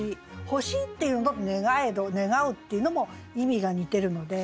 「欲しい」っていうのと「願えど」「願う」っていうのも意味が似てるので。